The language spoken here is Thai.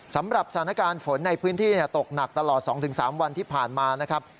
สำหรับสถานการณ์ฝนในพื้นที่ตกหนักตลอด๒๓วันที่ผ่านมานะครับ